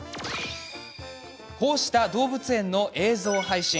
こうした動物園の映像発信。